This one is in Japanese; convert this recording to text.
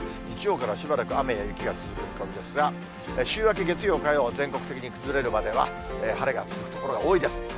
日曜からしばらく雨や雪が続く見込みですが、週明け月曜、火曜は全国的に崩れるまでは、晴れが続く所が多いです。